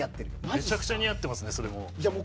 めちゃくちゃ似合ってますねそれも。